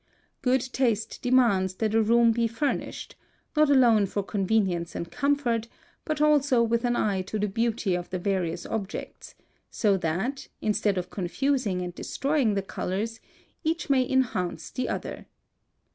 (180) Good taste demands that a room be furnished, not alone for convenience and comfort, but also with an eye to the beauty of the various objects, so that, instead of confusing and destroying the colors, each may enhance the other.